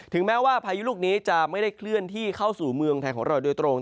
แม้ว่าพายุลูกนี้จะไม่ได้เคลื่อนที่เข้าสู่เมืองไทยของเราโดยตรง